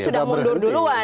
sudah mundur duluan